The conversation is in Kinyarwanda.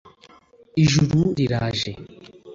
ijuru riraje